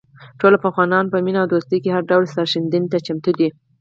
ټول افغانان په مینه او دوستۍ کې هر ډول سرښندنې ته چمتو دي.